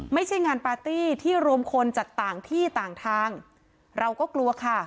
ไม่ใช่งานปาร์ตี้ที่รวมคนจากต่างที่ต่างทางเราก็กลัวค่ะ